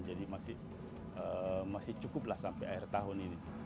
jadi masih cukuplah sampai akhir tahun ini